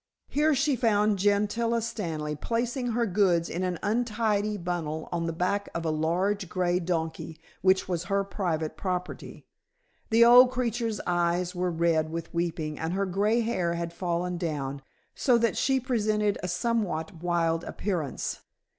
Here, she found Gentilla Stanley placing her goods in an untidy bundle on the back of a large gray donkey, which was her private property. The old creature's eyes were red with weeping and her gray hair had fallen down, so that she presented a somewhat wild appearance.